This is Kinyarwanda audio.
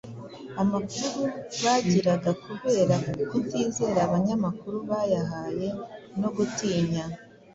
amakuru bagiraga kubera kutizera abanyamakuru bayahaye, no gutinya